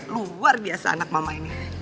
luar biasa anak mama ini